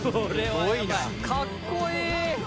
かっこいい。